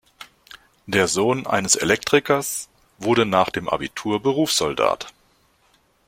Der Sohn eines Elektrikers wurde nach dem Abitur Berufssoldat.